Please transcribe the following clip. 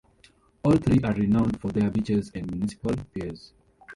All three are renowned for their beaches and municipal piers.